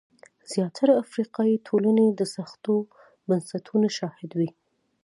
زیاتره افریقایي ټولنې د سختو بنسټونو شاهدې وې.